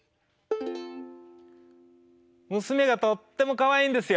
娘がとってもかわいいんですよ。